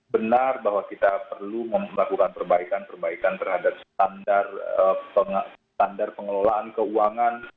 benar bahwa kita perlu melakukan perbaikan perbaikan terhadap standar pengelolaan keuangan